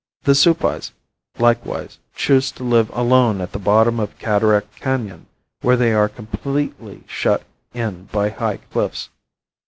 The Supais, likewise, choose to live alone at the bottom of Cataract Canon where they are completely shut in by high cliffs.